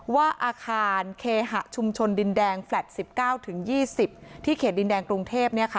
ว่าอาคารเคหะชุมชนดินแดงแฟลต์๑๙๒๐ที่เขตดินแดงกรุงเทพ